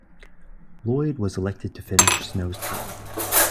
Loyd was elected to finish Snow's term.